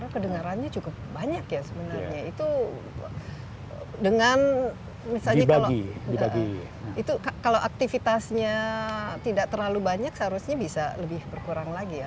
dua ribu dua ribu lima ratus kedengarannya cukup banyak ya sebenarnya itu dengan misalnya kalau aktivitasnya tidak terlalu banyak seharusnya bisa lebih berkurang lagi ya